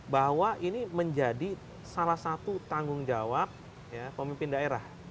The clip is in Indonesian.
bahwa ini menjadi salah satu tanggung jawab pemimpin daerah